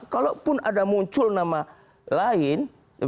kalaupun ada muncul nama lain